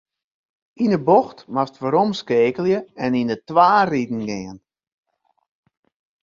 Yn in bocht moatst weromskeakelje en yn de twa riden gean.